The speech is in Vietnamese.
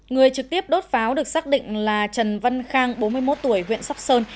người trực tiếp đốt pháo được xác định là trần văn khang bốn mươi một tuổi huyện sóc sơn